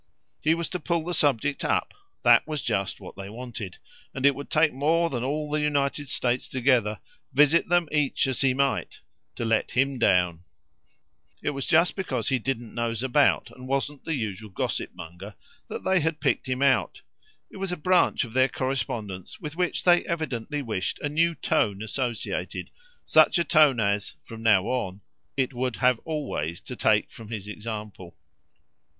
He was to pull the subject up that was just what they wanted; and it would take more than all the United States together, visit them each as he might, to let HIM down. It was just because he didn't nose about and babble, because he wasn't the usual gossip monger, that they had picked him out. It was a branch of their correspondence with which they evidently wished a new tone associated, such a tone as, from now on, it would have always to take from his example.